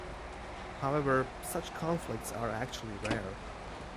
However, such conflicts are actually rare.